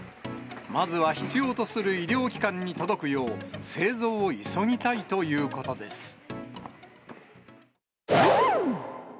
まずは必要とする医療機関に届くよう、製造を急ぎたいということです。